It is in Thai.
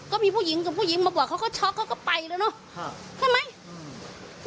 ก็มีผู้หญิงกับผู้หญิงมาบอกเขาก็ช็อกเขาก็ไปแล้วเนอะใช่ไหมอืม